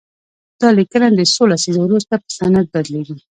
دا لیکنه د څو لسیزو وروسته په سند بدليږي.